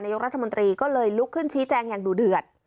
ยกรัฐมนตรีก็เลยลุกขึ้นชี้แจงอย่างดูเดือด